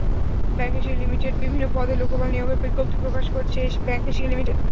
Bank Asia লিমিটেডবিভিন্ন পদে লোকবল নিয়োগের বিজ্ঞপ্তি প্রকাশ করেছে ব্যাংক এশিয়া লিমিটেড।